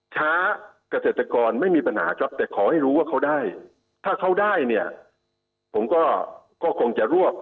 ถ้าเกิดเกษตรกรไม่มีปัญหาครับแต่ขอให้รู้ว่าเขาได้ถ้าเขาได้เนี่ยผมก็คงจะรวบ